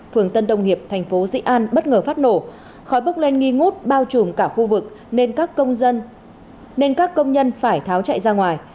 phường tân đông hiệp tp dĩ an bất ngờ phát nổ khói bốc len nghi ngút bao trùm cả khu vực nên các công nhân phải tháo chạy ra ngoài